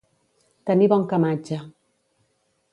Tenir bon camatge.